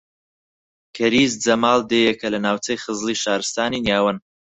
کەریز جەماڵ دێیەکە لە ناوچەی خزڵی شارستانی نیاوەن